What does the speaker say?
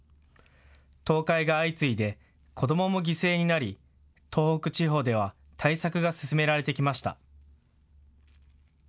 倒壊が相次いで子どもも犠牲になり東北地方では対策が進められてきました。